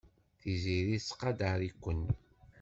Tiziri tettqadar-iken.